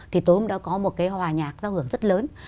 thì tối hôm đó có một cái hòa nhạc giao hưởng rất lớn